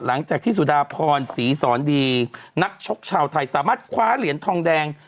หลังจากที่สุดาพรศรีสอนดีนักชกชาวไทยสามารถคว้าเหรียญทองแดง